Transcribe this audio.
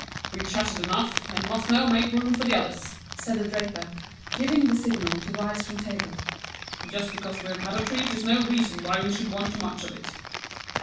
"We've chatted enough, and must now make room for the others," said the draper, giving the signal to rise from table. "Just because we've had a treat is no reason why we should want too much of it."